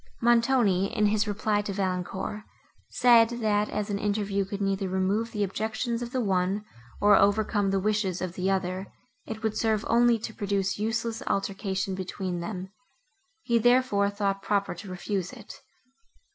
Montoni, in his reply to Valancourt, said, that as an interview could neither remove the objections of the one, nor overcome the wishes of the other, it would serve only to produce useless altercation between them. He, therefore, thought proper to refuse it.